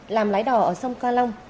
làm lái đỏ ở sông ca long